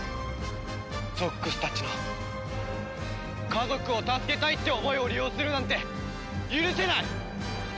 ゾックスたちの家族を助けたいって思いを利用するなんて許せない！